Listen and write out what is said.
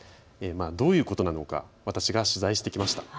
どういうことなのか私が取材してきました。